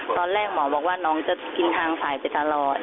ตอนแรกหมอบอกว่าน้องจะกินทางสายไปตลอด